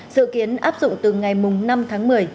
dự kiến áp dụng từ ngày năm tháng một mươi